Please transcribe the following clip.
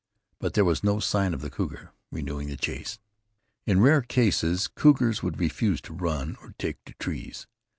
But there was no sign of the cougar renewing the chase. In rare cases cougars would refuse to run, or take to trees.